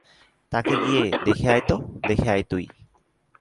তাকে গিয়ে দেখে আয় তুই।